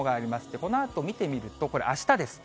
このあと見てみると、これ、あしたです。